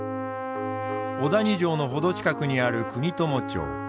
小谷城の程近くにある国友町。